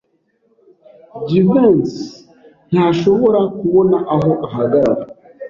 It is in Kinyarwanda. Jivency ntashobora kubona aho ahagarara.